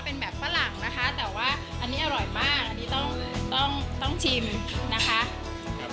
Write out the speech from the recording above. เป็นแบบฝรั่งนะคะแต่ว่าอันนี้อร่อยมากอันนี้ต้องต้องชิมนะคะ